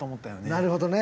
なるほどね。